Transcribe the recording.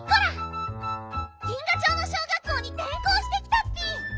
銀河町の小学校にてん校してきたッピ！